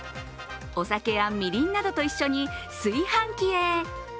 お酒やみりんなどと一緒に炊飯器へ。